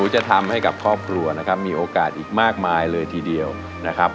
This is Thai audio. จะทำให้กับครอบครัวนะครับมีโอกาสอีกมากมายเลยทีเดียวนะครับ